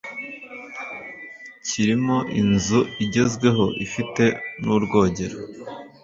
kirimo inzu igezweho ifite n’urwogero